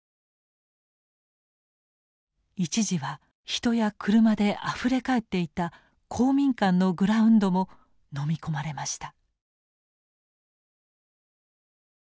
一時は人や車であふれかえっていた公民館のグラウンドものみ込まれました。